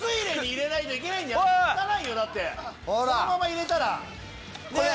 そのまま入れたらねぇ！